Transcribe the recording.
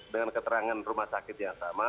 dengan keterangan rumah sakit yang sama